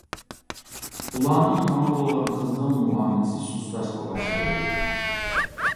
ئۇلارنىڭ ماڭا بولغان قىزغىن مۇئامىلىسى سۇسلاشقا باشلىدى.